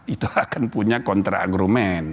itu akan punya kontra argumen